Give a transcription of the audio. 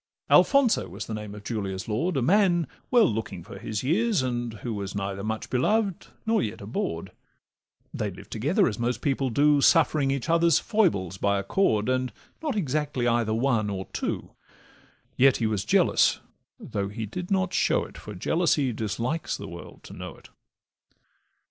Alfonso was the name of Julia's lord, A man well looking for his years, and who Was neither much beloved nor yet abhorr'd: They lived together, as most people do, Suffering each other's foibles by accord, And not exactly either one or two; Yet he was jealous, though he did not show it, For jealousy dislikes the world to know it.